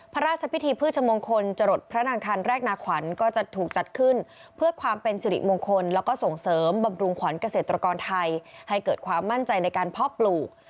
พระราชพิธีพฤชมงคลจรดพระนางคันแรกนาขวัญก็จะถูกจัดขึ้นเพื่อความเป็นสิริมงคลแล้วก็ส่งเสริมบำรุงขวัญเกษตรกรไทยให้เกิดความมั่นใจในการเพาะปลูก